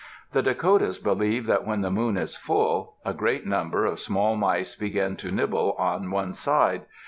The Dakotas believe that when the moon is full, a great number of small mice begin to nibble on one side.